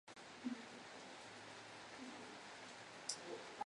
Se usa en repostería y panadería.